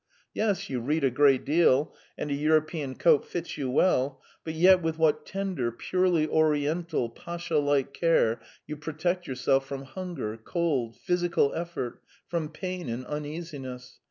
Yes, you read a great deal, and a European coat fits you well, but yet with what tender, purely Oriental, pasha like care you protect yourself from hunger, cold, physical effort, from pain and uneasiness!